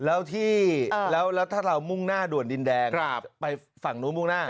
แล้วที่แล้วถ้าเรามุ่งหน้าด่วนดินแดงไปฝั่งนู้นมุ่งหน้า